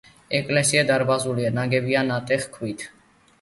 ეკლესია დარბაზულია, ნაგებია ნატეხი ქვით.